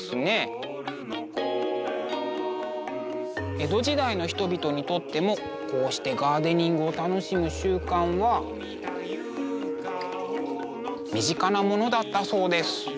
江戸時代の人々にとってもこうしてガーデニングを楽しむ習慣は身近なものだったそうです。